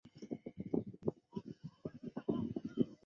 之后戏剧作品不断并往中国大陆发展。